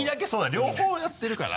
両方やってるから。